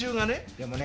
でもね